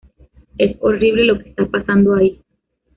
Es horrible lo que está pasando ahí.